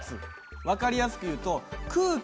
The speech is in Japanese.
分かりやすく言うと空気の力